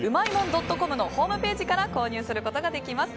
ドットコムのホームページから購入することができます。